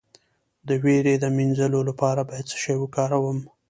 د ویرې د مینځلو لپاره باید څه شی وکاروم؟